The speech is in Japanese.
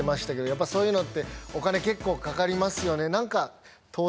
「やっぱそういうのってお金結構かかりますよね」